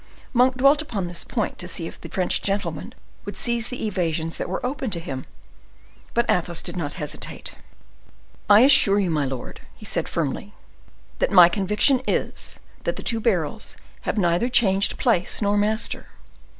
Monk dwelt upon this point to see if the French gentleman would seize the evasions that were open to him, but Athos did not hesitate. "I assure you, my lord," he said firmly, "that my conviction is, that the two barrels have neither changed place nor master."